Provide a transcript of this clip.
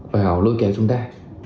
vào lôi kéo chúng ta